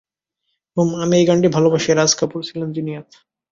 হুম, আমি এই গানটি ভালবাসি, রাজ কাপুর ছিলেন জিনিয়াস।